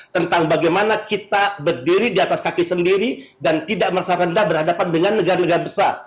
tentang bagaimana kita berdiri di atas kaki sendiri dan tidak merasa rendah berhadapan dengan negara negara besar